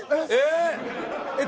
えっ？